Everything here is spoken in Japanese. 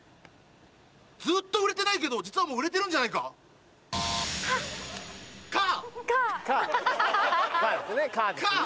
ずっと売れてないけど実はもう売れてるんじゃないか。か。か。ハハハ！か。